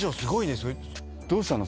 どうしたの？